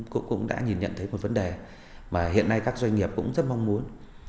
chúng ta đã nhìn nhận thấy một vấn đề mà hiện nay các doanh nghiệp cũng rất mong muốn